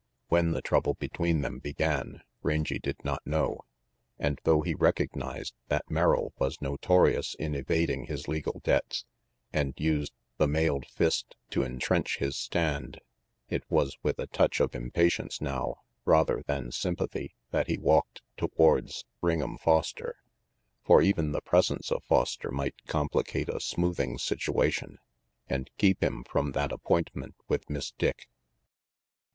When the trouble between them began, Rangy did not know; and though he recog nized that Merrill was notorious in evading his legal debts and used the mailed fist to entrench his stand, it was with a touch of impatience now, rather than sympathy, that he walked towards Ring'em Foster. For even the presence of Foster might complicate a smoothing situation and keep him from that appointment with Miss Dick.